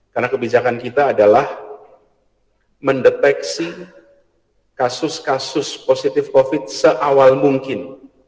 karena kebijakan kita adalah mendeteksi kasus kasus positif covid sembilan belas seawal mungkin